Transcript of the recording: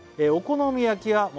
お好み焼きは」